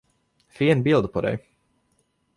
Fin bild på dig!